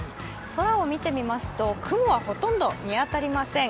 空を見てみますと雲はほとんど見当たりません。